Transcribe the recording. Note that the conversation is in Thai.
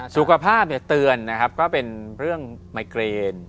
สุขภาพเตือนก็เป็นเรื่องไมเกรน